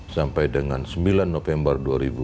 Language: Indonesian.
sampai dengan sembilan november dua ribu enam belas